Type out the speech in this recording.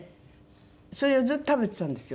それをずっと食べてたんですよ。